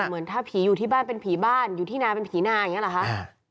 เหมือนถ้าผีอยู่ที่บ้านเป็นผีบ้านอยู่ที่นาเป็นผีนาอย่างนี้หรอคะ